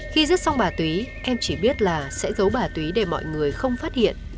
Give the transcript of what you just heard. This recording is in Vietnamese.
khi rứt xong bà túy em chỉ biết là sẽ giấu bà túy để mọi người không phát hiện